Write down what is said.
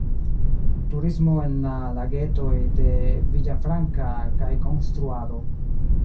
Turismo en la Lagetoj de Villafranca kaj konstruado.